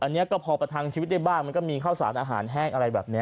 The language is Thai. อันนี้ก็พอประทังชีวิตได้บ้างมันก็มีข้าวสารอาหารแห้งอะไรแบบนี้